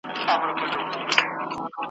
پر سرو سکروټو پر اغزیو د بېدیا راځمه `